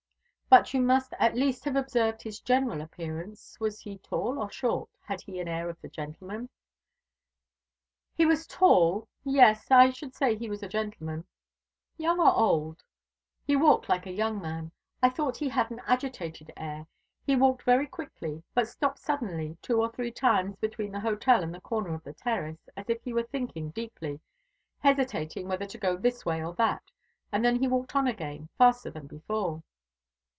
"But you must at least have observed his general appearance. Was he tall or short? Had he the air of a gentleman?" "He was tall. Yes, I should say he was a gentleman." "Young or old?" "He walked like a young man. I thought he had an agitated air. He walked very quickly, but stopped suddenly two or three times between the hotel and the corner of the terrace, as if he were thinking deeply hesitating whether to go this way or that; and then he walked on again, faster than before."